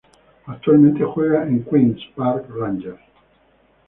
Actualmente juega en Queens Park Rangers.